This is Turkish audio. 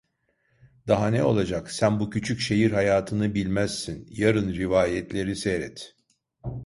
Daha ne olacak, sen bu küçük şehir hayatını bilmezsin; yarın rivayetleri seyret.